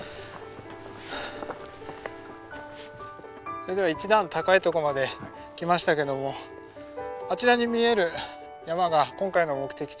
それでは一段高いとこまで来ましたけどもあちらに見える山が今回の目的地